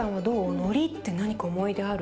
のりって何か思い出ある？